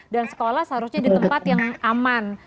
dan sekolah seharusnya di tempat yang aman